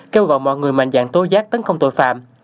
kêu gọi mọi người mạnh dạng tố giác tấn công tội phạm